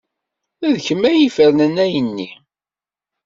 D kemm ay ifernen ayenni.